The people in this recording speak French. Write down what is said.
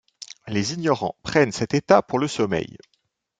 Les ignorants prennent cet état pour le sommeil.